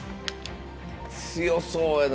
強そうやな